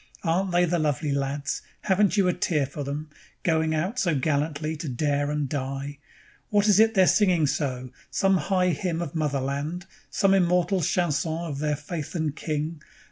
Aren't they the lovely lads! Haven't you a tear for them Going out so gallantly to dare and die? What is it they're singing so? Some high hymn of Motherland? Some immortal chanson of their Faith and King?